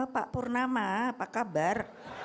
pak purnama apa kabar